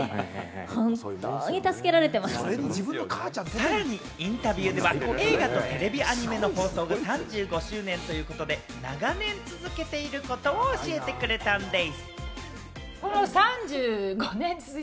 さらにインタビューでは、映画とテレビアニメの放送が３５周年ということで、長年続けていることを教えてくれたんでぃす。